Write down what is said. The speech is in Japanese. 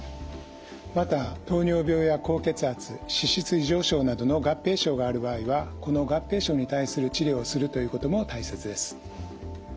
また糖尿病や高血圧脂質異常症などの合併症がある場合はこの合併症に対する治療をするということも大切です。